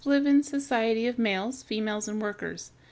253) live in societies of males, females, and workers.